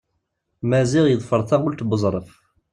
Maziɣ yeḍfer taɣult n Uẓref.